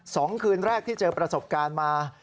สองคืนแรกที่เจอประสบการณ์มา